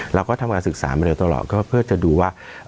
เราก็ทำการศึกษามาเร็วตลอดก็เพื่อจะดูว่า